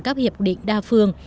các hiệp định đa phương